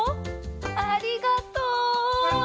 ありがとう！